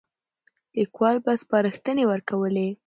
ليکوال به سپارښتنې ورکولې.